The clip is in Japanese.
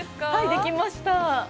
◆できました。